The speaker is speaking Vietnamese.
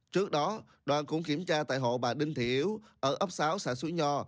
trước đó đoàn cũng kiểm tra tại hộ bà đinh thị yếu ở ấp sáu xã suối nho